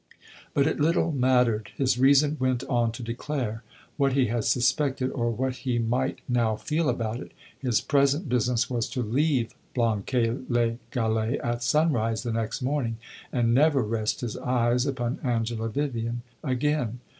But it little mattered, his reason went on to declare, what he had suspected or what he might now feel about it; his present business was to leave Blanquais les Galets at sunrise the next morning and never rest his eyes upon Angela Vivian again.